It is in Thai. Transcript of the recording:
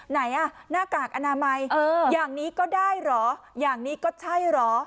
ไหนอ่ะหน้ากากอนามัยอย่างนี้ก็ได้เหรออย่างนี้ก็ใช่เหรอ